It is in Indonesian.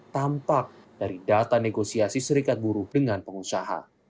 tampak dari data negosiasi serikat buruh dengan pengusaha